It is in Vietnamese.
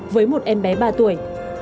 với một em bé ba tuổi